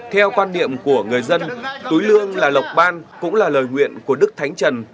theo quan điểm của người dân túi lương là lộc ban cũng là lời nguyện của đức thánh trần